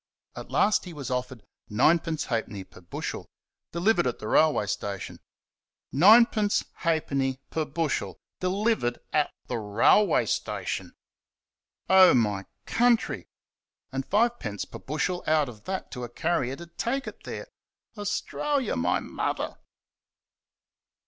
At last he was offered Ninepence ha'penny per bushel, delivered at the railway station. Ninepence ha'penny per bushel, delivered at the railway station! Oh, my country! and fivepence per bushel out of that to a carrier to take it there! AUSTRALIA, MY MOTHER!